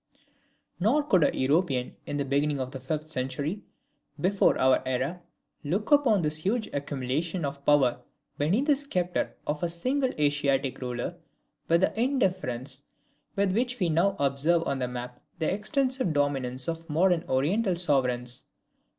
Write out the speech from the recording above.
Nor could a European, in the beginning of the fifth century before our era, look upon this huge accumulation of power beneath the sceptre of a single Asiatic ruler, with the indifference with which we now observe on the map the extensive dominions of modern Oriental sovereigns.